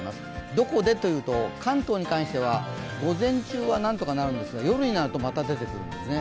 どこでというと、関東に関しては午前中は何とかなるんですが、夜になると、また出てくるんですね。